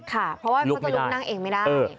ค่ะเพราะว่าเขาจะลุกนั่งเองไม่ได้